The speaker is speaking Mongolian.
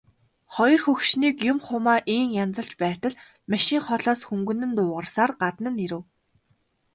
Хоёр хөгшнийг юм хумаа ийн янзалж байтал машин холоос хүнгэнэн дуугарсаар гадна нь ирэв.